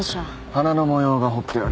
花の模様が彫ってある。